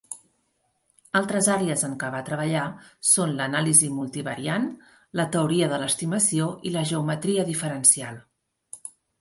Altres àrees en què va treballar són l'anàlisi multivariant, la teoria de l'estimació i la geometria diferencial.